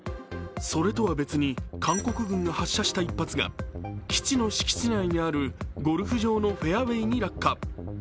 それとは別に韓国軍が発射した一発が基地の敷地内にあるゴルフ場のフェアウェイに落下。